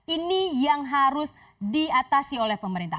ini yang harus diatasi oleh pemerintah